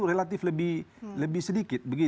relatif lebih sedikit